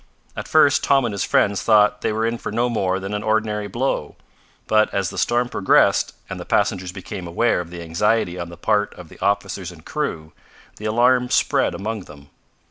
At first Tom and his friends thought they were in for no more than an ordinary blow, but as the storm progressed, and the passengers became aware of the anxiety on the part of the officers and crew, the alarm spread among them.